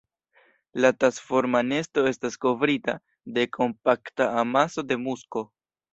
La tasforma nesto estas kovrita de kompakta amaso de musko.